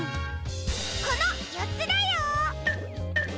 このよっつだよ！